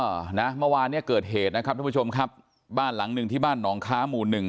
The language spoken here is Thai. อ่านะเมื่อวานเนี้ยเกิดเหตุนะครับทุกผู้ชมครับบ้านหลังหนึ่งที่บ้านหนองค้าหมู่หนึ่ง